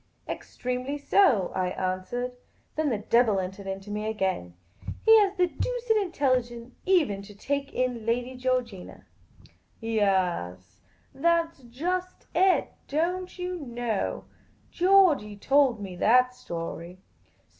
" Extremely so," I answered. Then the devil entered The Pea Green Patrician 221 into me again. " He had the doosid intelligence even to take in Lady Georgina." " Yaas ; that 's just it, don't you know. . Georgey told me that story.